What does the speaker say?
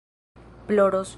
ploros